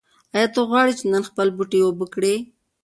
ایا ته غواړې چې نن خپل بوټي اوبه کړې؟